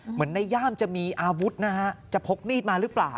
เหมือนในย่ามจะมีอาวุธนะฮะจะพกมีดมาหรือเปล่า